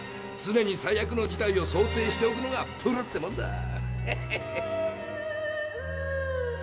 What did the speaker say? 常に最悪の事態を想定しておくのがプロってもんだ。